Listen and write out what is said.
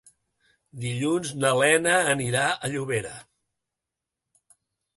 Dilluns na Lena anirà a Llobera.